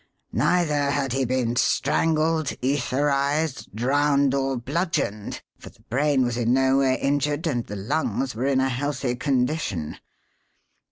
Neither had he been strangled, etherized, drowned, or bludgeoned, for the brain was in no way injured and the lungs were in a healthy condition.